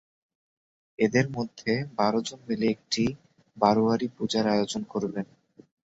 এঁদের মধ্যে বারো জন মিলে একটি বারোয়ারি পূজার আয়োজন করেন।